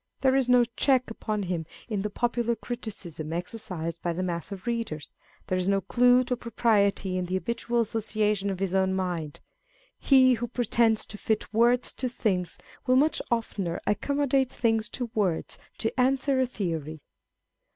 There is no check upon him in the popular criticism exercised by the mass of readers â€" there is no clue to propriety in the habitual associations of his own mind. lie who pretends to fit words to things, will much oftener accommodate things to words, to answer a theory.